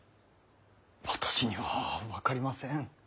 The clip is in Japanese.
私には分かりません。